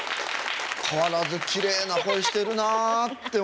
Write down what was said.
変わらずきれいな声してるなあって思って。